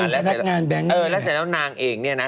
แล้วเสร็จแล้วนางเองเนี่ยนะ